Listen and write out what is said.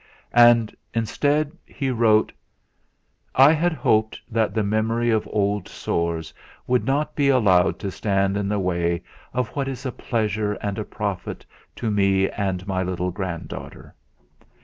And instead, he wrote: "I had hoped that the memory of old sores would not be allowed to stand in the way of what is a pleasure and a profit to me and my little grand daughter.